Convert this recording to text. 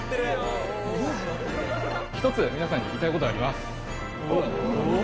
一つ皆さんに言いたい事あります。